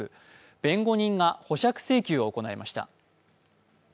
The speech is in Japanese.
弁護人が保釈請求を行いました。